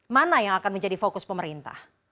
mana yang akan menjadi fokus pemerintah